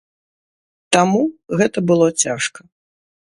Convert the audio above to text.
Таму гэта было цяжка.